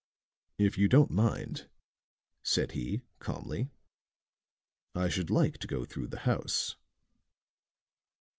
"If you don't mind," said he, calmly, "I should like to go through the house."